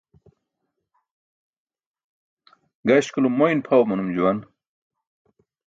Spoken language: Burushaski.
Gaśkulum moyn pʰaw manum juwan.